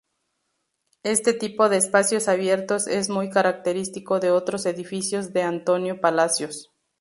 Este tipo de espacios abiertos es muy característico de otros edificios de Antonio Palacios.